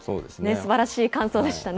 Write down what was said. すばらしい感想でしたね。